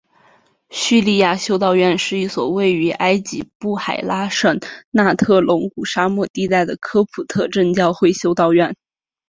叙利亚修道院是一所位于埃及布海拉省纳特隆谷沙漠地带的科普特正教会修道院。